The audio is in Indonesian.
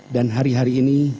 dan hari hari ini